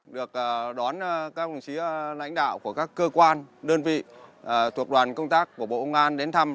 được đón các đồng chí lãnh đạo của các cơ quan đơn vị thuộc đoàn công tác của bộ công an đến thăm